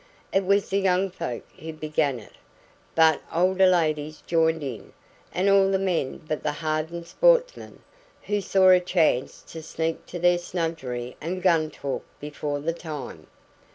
It was the young folk who began it, but older ladies joined in, and all the men but the hardened sportsmen, who saw a chance to sneak to their snuggery and gun talk before the time.